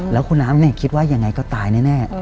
แล้วคุณน้ำคิดว่ายังไงก็ตายแน่